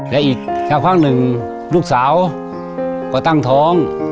และอีกสักพักหนึ่งลูกสาวก็ตั้งท้อง